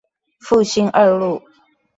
復興二路